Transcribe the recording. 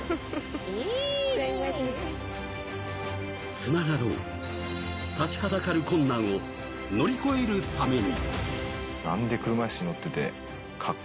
つながろう、立ちはだかる困難を乗り越えるために。